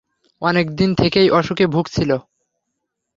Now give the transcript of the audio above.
অনেক দিন থেকেই অসুখে ভুগছিল।